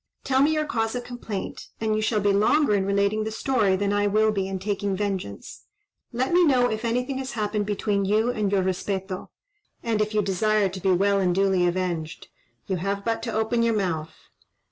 Tell me your cause of complaint, and you shall be longer in relating the story than I will be in taking vengeance. Let me know if anything has happened between you and your respeto; and if you desire to be well and duly avenged. You have but to open your mouth."